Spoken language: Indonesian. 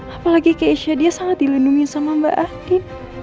apalagi keisha dia sangat dilindungi sama mbak ati